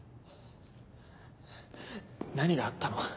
何があったの？